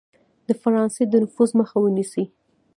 د فرانسې د نفوذ مخه ونیسي.